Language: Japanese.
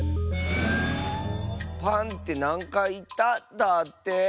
「パンってなんかいいった？」だって。